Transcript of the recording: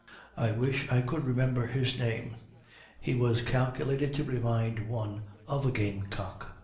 I wish I could remember his name he was calculated to remind one of a game cock.